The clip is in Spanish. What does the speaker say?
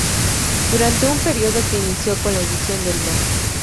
Durante un periodo que inicio con la edición del no.